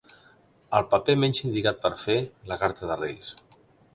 El paper menys indicat per fer la carta de Reis.